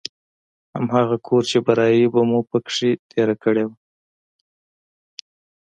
هماغه کور چې برايي به مو په کښې تېره کړې وه.